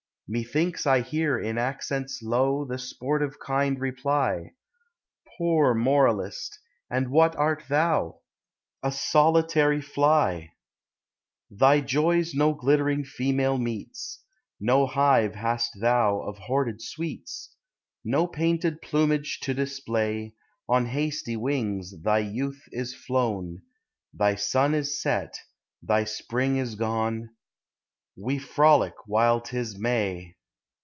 Methinks I hear in accents low The sportive kind reply : Poor moralist! and what art thou? A solitary fly ! Thy joys no glittering female meets, No hive hast thou of hoarded sweets, No painted plumage to display; On hasty wings thy youth is flown ; Thy sun is set, thy spring is gone, — We frolic while 't is May.